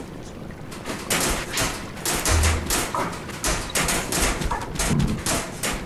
Baadae waliibuka watu Kama Joseph kusaga na Ruge Mutahaba ambao walikuwa waanzilishi wa mawingu